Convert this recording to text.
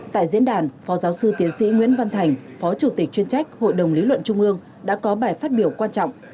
tại diễn đàn phó giáo sư tiến sĩ nguyễn văn thành phó chủ tịch chuyên trách hội đồng lý luận trung ương đã có bài phát biểu quan trọng